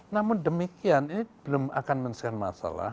namun demikian ini belum akan menyelesaikan masalah